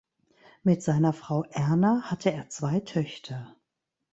Mit seiner Frau Erna hatte er zwei Töchter.